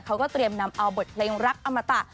เขาก็เตรียมนำเอาบทเพลงรักอมตะ